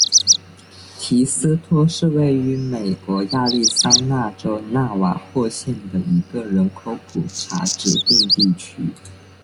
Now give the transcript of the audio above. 提斯托是位于美国亚利桑那州纳瓦霍县的一个人口普查指定地区。